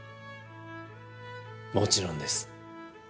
もちろんです。